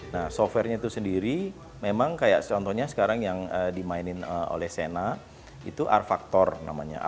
nah softwarenya itu sendiri memang kayak contohnya sekarang yang dimainin oleh sena itu r factor namanya